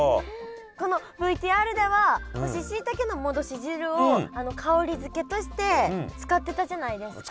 このＶＴＲでは干ししいたけの戻し汁を香り付けとして使ってたじゃないですか。